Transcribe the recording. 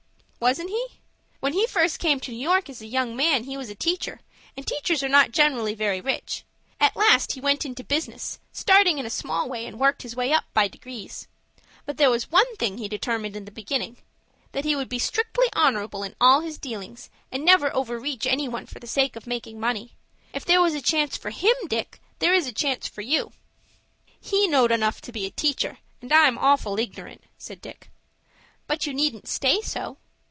"Wasn't he?" "When he first came to New York as a young man he was a teacher, and teachers are not generally very rich. At last he went into business, starting in a small way, and worked his way up by degrees. But there was one thing he determined in the beginning: that he would be strictly honorable in all his dealings, and never overreach any one for the sake of making money. If there was a chance for him, Dick, there is a chance for you." "He knowed enough to be a teacher, and I'm awful ignorant," said Dick. "But you needn't stay so."